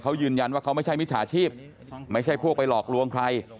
เขายืนยันว่าเขาไม่ใช่มิจฉาชีพไม่ใช่พวกไปหลอกลวงใคร